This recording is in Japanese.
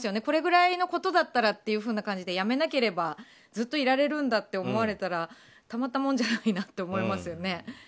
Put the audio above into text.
これぐらいのことだったらという感じで、辞めなければずっといられるんだって思われたらたまったもんじゃないなと思いますよね。